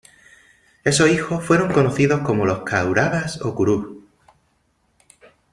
Esos hijos fueron conocidos como los Kauravas o Kurus.